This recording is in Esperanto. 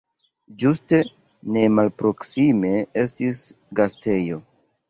Ĝuste nemalproksime estis gastejo.